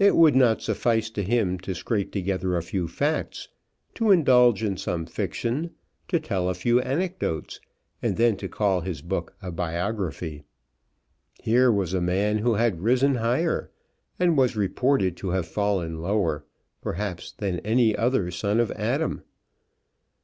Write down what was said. It would not suffice to him to scrape together a few facts, to indulge in some fiction, to tell a few anecdotes, and then to call his book a biography. Here was a man who had risen higher and was reported to have fallen lower, perhaps than any other son of Adam.